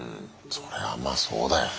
それはまあそうだよね。